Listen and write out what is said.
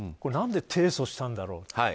何で、提訴したんだろうと。